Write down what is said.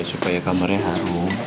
iya supaya kamarnya harum